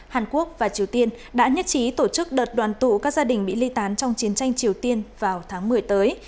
hàn quốc và triều tiên đã nhất trí tổ chức đợt đoàn tụ các gia đình bị ly tán trong chiến tranh triều tiên vào tháng một mươi tới